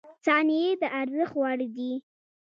• ثانیې د ارزښت وړ دي.